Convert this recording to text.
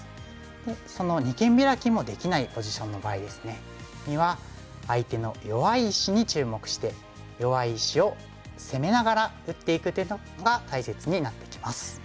で二間ビラキもできないポジションの場合ですねには相手の弱い石に注目して弱い石を攻めながら打っていく手が大切になってきます。